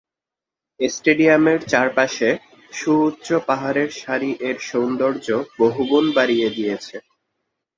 স্টেডিয়ামের চারপাশে সুউচ্চ পাহাড়ের সারি এর সৌন্দর্য বহুগুণ বাড়িয়ে দিয়েছে।